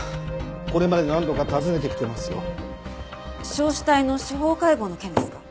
焼死体の司法解剖の件ですか？